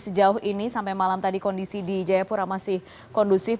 sejauh ini sampai malam tadi kondisi di jayapura masih kondusif